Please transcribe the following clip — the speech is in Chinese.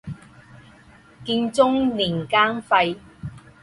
建中年间废。